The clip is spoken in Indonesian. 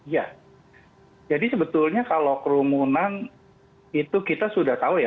ya jadi sebetulnya kalau kerumunan itu kita sudah tahu ya